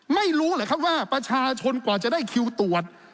ไม่รู้เหรอครับว่าประชาชนกว่าจะได้คิวตรวจ